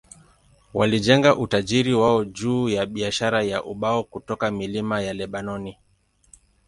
Walijenga utajiri wao juu ya biashara ya ubao kutoka milima ya Lebanoni.